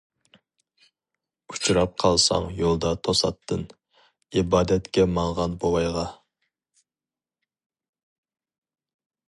ئۇچراپ قالساڭ يولدا توساتتىن، ئىبادەتكە ماڭغان بوۋايغا.